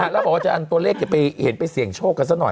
แล้วบอกว่าจะเอาตัวเลขไปเห็นไปเสี่ยงโชคกันซะหน่อย